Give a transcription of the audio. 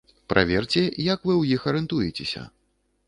Праверце, як вы ў іх арыентуецеся.